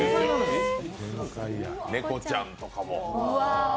猫ちゃんとかも。